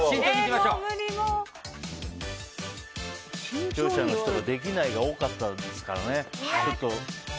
視聴者の人ができないが多かったですからね。